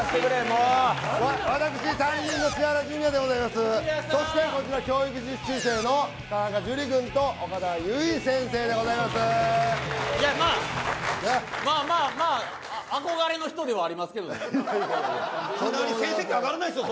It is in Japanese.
もう私担任の千原ジュニアでございますそしてこちら教育実習生の田中樹君と岡田結実先生でございますいやまあまあまあまあいやいやいやいきなり成績上がらないですよ